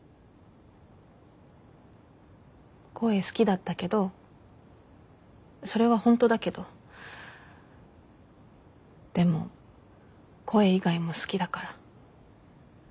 声好きだったけどそれはホントだけどでも声以外も好きだから。